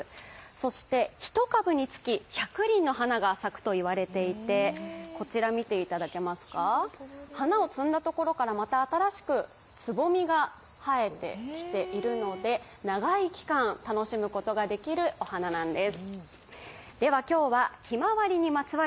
そして、１株につき１００輪の花が咲くといわれていてこちら見ていただけます、花を摘んだところから、また新しくつぼみが生えてきているので、長い期間楽しむことができるお花なんです。